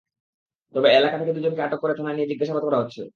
তবে এলাকা থেকে দুজনকে আটক করে থানায় নিয়ে জিজ্ঞাসাবাদ করা হচ্ছে।